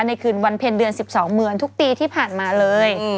คืนวันเพ็ญเดือน๑๒เหมือนทุกปีที่ผ่านมาเลย